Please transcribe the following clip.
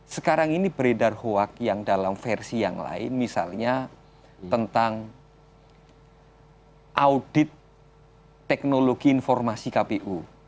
sekarang ini beredar hoak yang dalam versi yang lain misalnya tentang audit teknologi informasi kpu